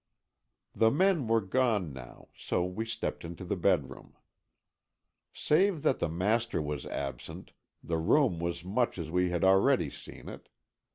The men were gone now, so we stepped into the bedroom. Save that the master was absent, the room was much as we had already seen it.